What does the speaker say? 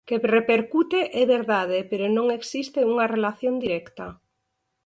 Que repercute é verdade, pero non existe unha relación directa.